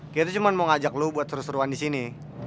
gue tuh cuma mau ngajak lo buat seru seruan disini